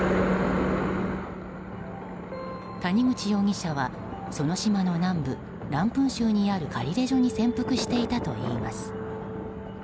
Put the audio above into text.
谷口容疑者はその島の南部ランプン州にあるカリレジョに潜伏していたといいます。